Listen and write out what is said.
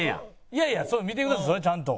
いやいや見てくださいちゃんと。